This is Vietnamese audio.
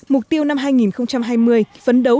mục tiêu năm hai nghìn hai mươi